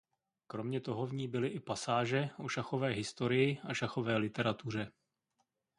Kromě toho v ní byly i pasáže o šachové historii a šachové literatuře.